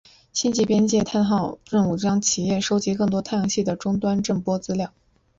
星际边界探险号任务将企图收集更多太阳系的终端震波资料。